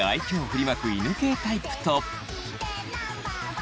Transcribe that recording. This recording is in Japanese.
振りまく犬系タイプと。